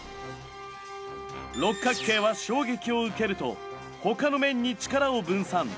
六角形は衝撃を受けるとほかの面に力を分散。